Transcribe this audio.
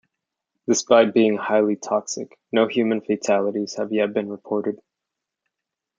Despite being highly toxic, no human fatalities have yet been reported.